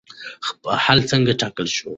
حل څنګه ټاکل شو؟